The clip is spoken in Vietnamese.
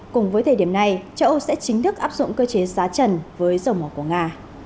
cùng với thời điểm này châu âu sẽ chính thức áp dụng cơ chế giá trần với dầu mỏ của nga